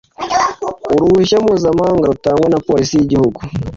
uruhushya mpuzamahanga rutangwa na police y' igihugu